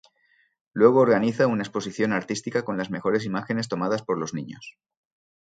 Luego organiza una exposición artística con las mejores imágenes tomadas por los niños.